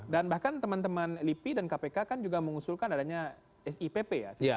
dan bahkan teman teman lipi dan kpk kan juga mengusulkan adanya sipp ya